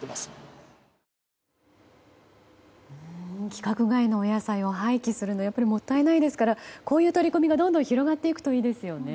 規格外のお野菜を廃棄するのもったいないですからこういう取り組みがどんどん広がっていくといいですよね。